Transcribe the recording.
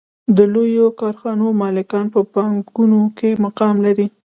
د لویو کارخانو مالکان په بانکونو کې مقام لري